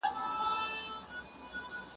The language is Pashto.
حقیقت ویل مېړانه غواړي.